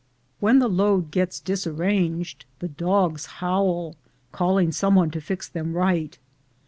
When the load gets disarranged, the dogs howl, calling some one to fix them right.